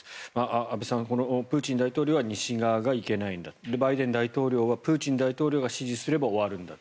安部さん、プーチン大統領は西側がいけないんだバイデン大統領はプーチン大統領が指示すれば終わるんだ。